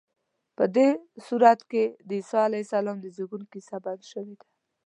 په دې سورت کې د عیسی علیه السلام د زېږون کیسه بیان شوې ده.